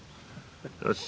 よし。